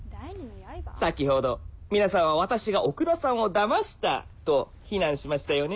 先ほど皆さんは私が奥田さんをだましたと非難しましたよね？